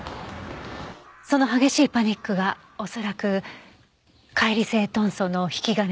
その激しいパニックが恐らく解離性遁走の引き金となった。